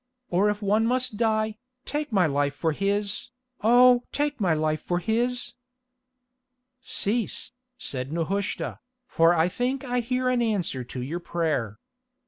Or if one must die, take my life for his, oh! take my life for his." "Cease," said Nehushta, "for I think I hear an answer to your prayer.